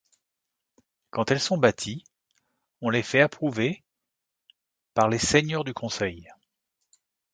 Quand elles sont bâties, on les fait approuver par « les seigneurs du conseil ».